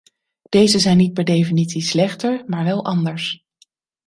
Deze zijn niet per definitie slechter, maar wel anders.